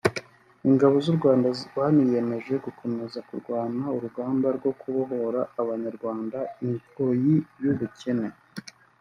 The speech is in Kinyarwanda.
ingabo z’u Rwanda zaniyemeje gukomeza kurwana urugamba rwo kubohora abanyarwanda ingoyi y’ubukene